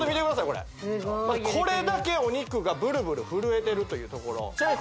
これこんな揺れるんだこれだけお肉がブルブル震えてるというところさらに